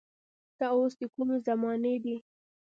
دا اوس د کومې زمانې دي.